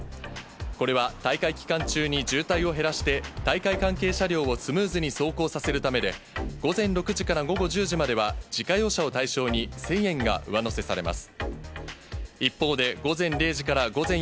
これは大会期間中に渋滞を減らして、大会関係車両をスムーズに走行させるためで、午前６時から午後１０時までは、自家用車を対象に１０００円が上乗せされます。